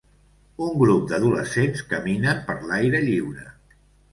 Un grup d'adolescents caminen per l'aire lliure.